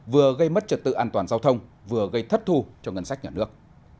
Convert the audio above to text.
vừa gây mất trật tự an toàn giao thông vừa gây thất thù cho ngân sách nhà nước